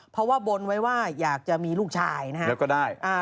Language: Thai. เพราะว่าบนไว้ว่าอยากจะมีลูกชายนะฮะ